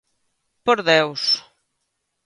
_¡Por Deus!